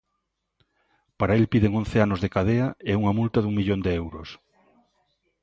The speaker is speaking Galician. Para el piden once anos de cadea e unha multa dun millón de euros.